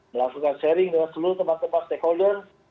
melakukan sharing dengan seluruh teman teman stakeholder